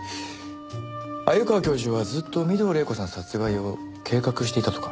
鮎川教授はずっと御堂黎子さん殺害を計画していたとか？